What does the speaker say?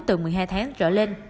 từ một mươi hai tháng trở lên